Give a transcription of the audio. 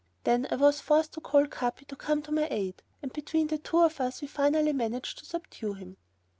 Then I was forced to call Capi to come to my aid, and between the two of us we finally managed to subdue him.